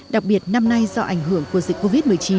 đặc biệt năm nay do ảnh hưởng của dịch covid một mươi chín